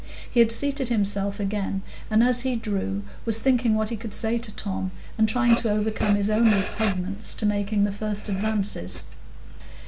He had seated himself again, and as he drew, was thinking what he could say to Tom, and trying to overcome his own repugnance to making the first advances.